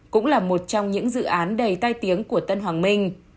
cũng là một trong những dự án đầy tai tiếng của tân hoàng minh